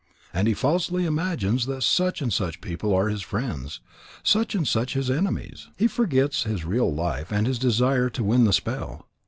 And he falsely imagines that such and such people are his friends, such and such his enemies. He forgets his real life and his desire to win the spell.